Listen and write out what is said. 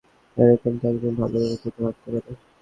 এরকম তো একজন ভালো অভিবাবকই ভাবতে পারে।